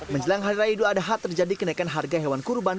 menjelang hari raya idul adha terjadi kenaikan harga hewan kurban